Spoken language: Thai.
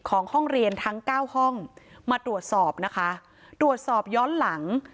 ห้องเรียนทั้งเก้าห้องมาตรวจสอบนะคะตรวจสอบย้อนหลัง